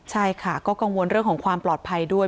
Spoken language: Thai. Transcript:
ใช่ค่ะก็กังวลเรื่องของความปลอดภัยด้วย